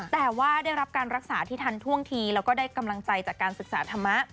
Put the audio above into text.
แต่ว่าได้รับการรักษาที่ทันท่วงทีแล้วก็ได้กำลังใจจากการศึกษาธรรมะ